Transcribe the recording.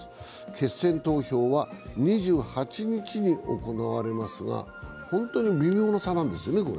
決選投票は２８日に行われますが本当に微妙な差なんですね。